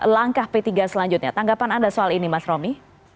langkah p tiga selanjutnya tanggapan anda soal ini mas romi